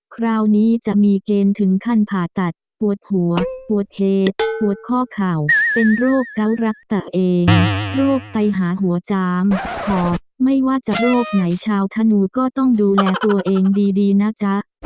คราวนี้จะมีเกณฑ์ถึงขั้นผ่าตัดปวดหัวปวดเหตุปวดข้อเข่าเป็นโรคเก้ารักตัวเองโรคไตหาหัวจามหอบไม่ว่าจะโรคไหนชาวธนูก็ต้องดูแลตัวเองดีนะจ๊ะ